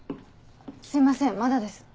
すいませんまだです。